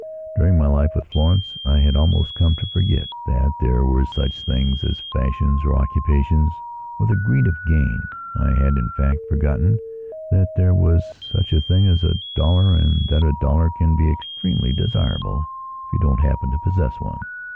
During my life with Florence I had almost come to forget that there were such things as fashions or occupations or the greed of gain. I had, in fact, forgotten that there was such a thing as a dollar and that a dollar can be extremely desirable if you don't happen to possess one.